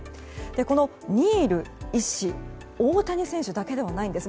このニール医師は大谷選手だけではないんです。